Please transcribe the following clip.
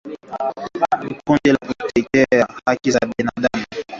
Kundi la kutetea haki za binadamu